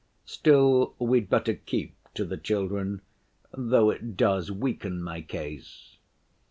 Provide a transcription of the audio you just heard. Still we'd better keep to the children, though it does weaken my case.